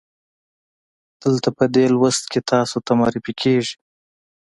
دلته په دې لوست کې تاسې ته معرفي کیږي.